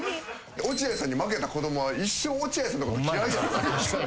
落合さんに負けた子供は一生落合さんのこと嫌いやろ。